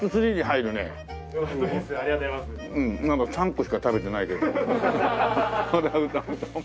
まだ３個しか食べてないけど。